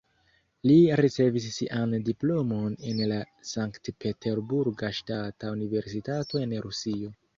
Li ricevis sian diplomon en la Sankt-Peterburga Ŝtata Universitato en Rusio.